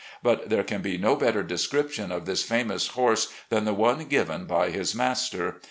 But there can be no better description of this famous horse than the one given by his master.